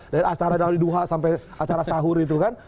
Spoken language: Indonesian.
dari acara dari duha sampai acara sahur itu kan